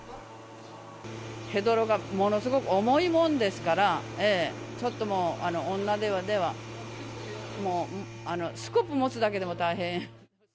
ヘドロがものすごく重いもんですから、ちょっともう、女手では、もう、スコップ持つだけでも大変。